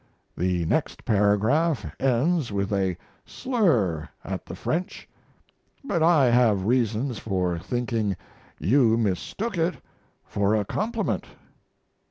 The next paragraph ends with a slur at the French, but I have reasons for thinking you mistook it for a compliment.